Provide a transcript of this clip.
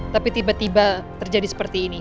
tapi tiba tiba terjadi seperti ini